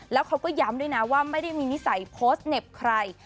แล้วเขาก็ย้ำด้วยนะว่าไม่ได้มีนิสัยโพสต์เหน็บใคร